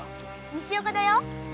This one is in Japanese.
西岡だよ。